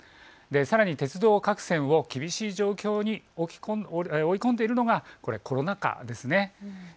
さらに鉄道各線を厳しい状況に追い込んでいるのがコロナ禍です。